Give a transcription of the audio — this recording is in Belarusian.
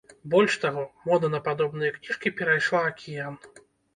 Больш таго, мода на падобныя кніжкі перайшла акіян.